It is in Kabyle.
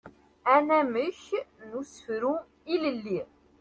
Anamek n usefru ilelli.